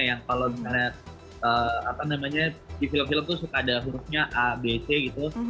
yang kalau gimana apa namanya di film film itu suka ada hurufnya abc gitu